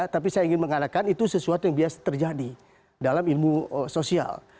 tapi saya ingin mengatakan itu sesuatu yang biasa terjadi dalam ilmu sosial